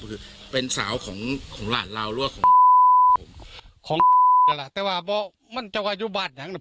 คือเป็นสาวของของราตราวหรือว่าของ